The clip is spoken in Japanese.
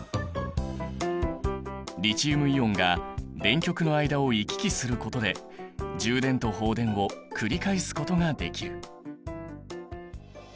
リチウムイオンが電極の間を行き来することで充電と放電を繰り返すことができる。